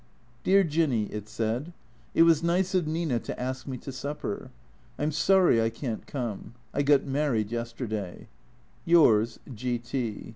" Dear Jinny," it said. " It was nice of Nina to ask me to supper. I 'm sorry I can't come. I got married yesterday. "Yrs.